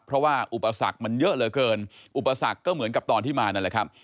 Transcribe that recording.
เพราะว่าอุปสรรคมันเยอะเหลือเกินอุปสรรคก็เหมือนกับตอนที่มานั่นแหละครับ